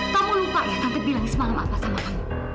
kamu lupa ya tante bilang semalam apa sama kamu